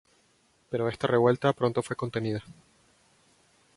Pero esta revuelta pronto fue contenida.